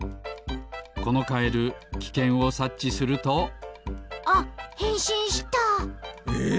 このカエルきけんをさっちするとあっへんしんした！え！？